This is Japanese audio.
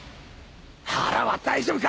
腹は大丈夫か？